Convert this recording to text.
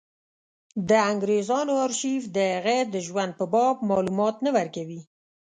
د انګرېزانو ارشیف د هغه د ژوند په باب معلومات نه ورکوي.